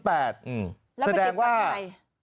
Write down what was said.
แล้วไปติดวันไหน